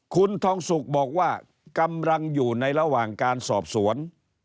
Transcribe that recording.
คุณทองสุกบอกว่ากำลังอยู่ในระหว่างการสอบสวน